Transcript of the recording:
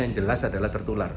yang jelas adalah tertular